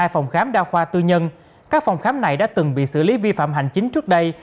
hai phòng khám đa khoa tư nhân các phòng khám này đã từng bị xử lý vi phạm hành chính trước đây